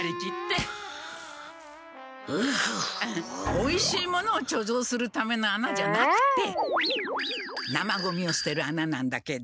おいしいものをちょぞうするための穴じゃなくて生ゴミをすてる穴なんだけど。